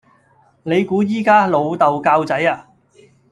你估依家老豆教仔呀?